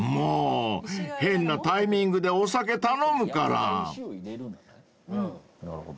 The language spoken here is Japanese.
うー変なタイミングでお酒頼むから］